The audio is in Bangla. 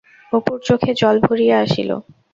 অপুর চোখে জল ভরিয়া আসিল।